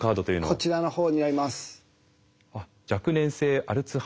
こちらのほうになります。